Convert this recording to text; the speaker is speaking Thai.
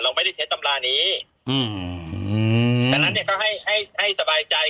เราไม่ได้ใช้ตำรานี้แต่นั้นเนี่ยก็ให้สบายใจ